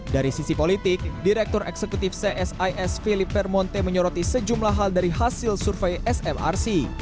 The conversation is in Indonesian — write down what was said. dari sisi politik direktur eksekutif csis philip permonte menyoroti sejumlah hal dari hasil survei smrc